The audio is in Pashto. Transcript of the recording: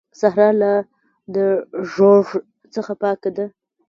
صحرا لا د ږوږ څخه پاکه ده.